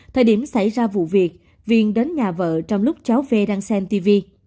thời điểm xảy ra vụ việc viên đến nhà vợ trong lúc cháu v đang xem tv